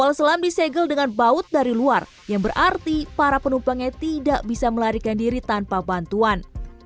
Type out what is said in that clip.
kapal selam titan berada di dasar laut dari luar yang berarti para penumpangnya tidak bisa melarikan diri tanpa bantuan